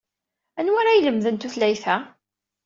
Anwa ara ilemden tutlayt-a?